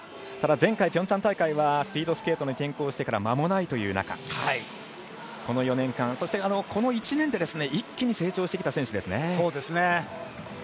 ただ、前回ピョンチャン大会はスピードスケートに転向してからまもないという中この４年間、そしてこの１年で一気に成長してきた選手ですね。